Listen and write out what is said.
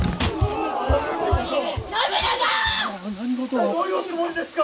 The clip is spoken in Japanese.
一体どういうおつもりですか！